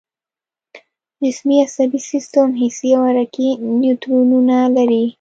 جسمي عصبي سیستم حسي او حرکي نیورونونه لري